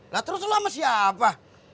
lah terus lu sama siapa